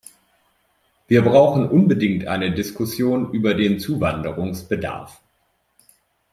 Wir brauchen unbedingt eine Diskussion über den Zuwanderungsbedarf.